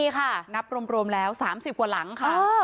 นี่ค่ะนับรวมแล้ว๓๐กว่าหลังค่ะ